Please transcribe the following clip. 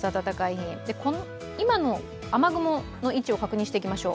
今の雨雲の位置を確認していきましょう。